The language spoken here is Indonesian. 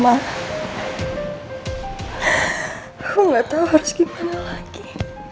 aku gak tahu harus gimana lagi